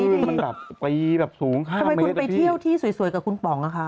ทำไมไปที่เที่ยวที่สวยกับคุณป๋องล่ะคะ